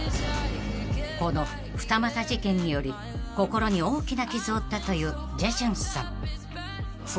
［この２股事件により心に大きな傷を負ったというジェジュンさん］